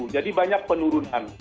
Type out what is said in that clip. jadi banyak penurunan